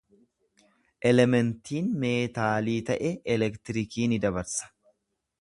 Elementiin meetaalii ta’e elektiriikii ni dabarsa.